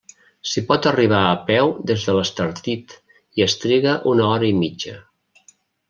S'hi pot arribar a peu des de l'Estartit i es triga una hora i mitja.